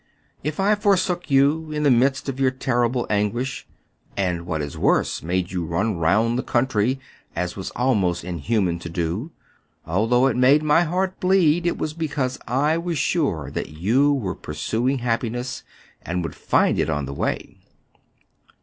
If 268 TRIFUrATIOKS OF A CHINAMAN^. I forsook you in the midst of your terrible an guish, — and, what is worse, made you run round the country, as was almost inhuman to do, — al thoui^h it made my heart bleed, it was because I was sure that you were pursuing happiness, and would find it on the way."